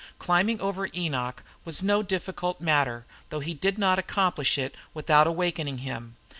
Climbing over Enoch was no difficult matter, though he did not accomplish it without awakening him.